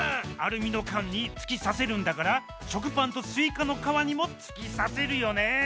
アルミのかんにつきさせるんだからしょくパンとスイカのかわにもつきさせるよね！